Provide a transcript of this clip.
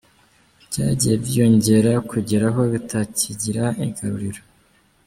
Byagiye byiyongera kugera aho bitakigira igaruriro.